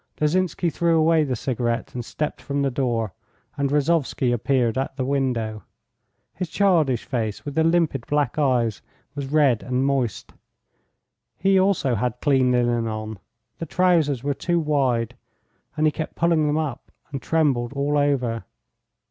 Lozinsky threw away the cigarette and stepped from the door. And Rozovsky appeared at the window. His childish face, with the limpid black eyes, was red and moist. He also had clean linen on, the trousers were too wide, and he kept pulling them up and trembled all over.